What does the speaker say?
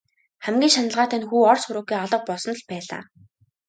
Хамгийн шаналгаатай нь хүү ор сураггүй алга болсонд л байлаа.